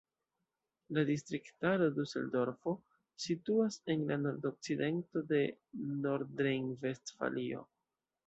La distriktaro Duseldorfo situas en la nordokcidento de Nordrejn-Vestfalio.